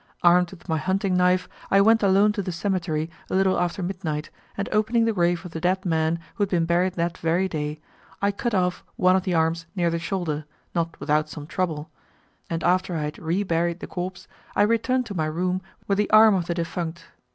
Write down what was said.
Armed with my hunting knife, I went alone to the cemetery a little after midnight, and opening the grave of the dead man who had been buried that very day, I cut off one of the arms near the shoulder, not without some trouble, and after I had re buried the corpse, I returned to my room with the arm of the defunct.